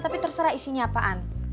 tapi terserah isinya apaan